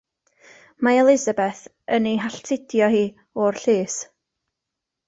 Mae Elisabeth yn ei halltudio hi o'r llys.